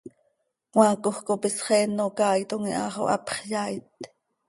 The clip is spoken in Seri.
Cmaacoj cop isxeen oo caaitom iha xo hapx yaait.